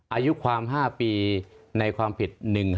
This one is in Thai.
อายุความ๕ปีในความผิด๑๕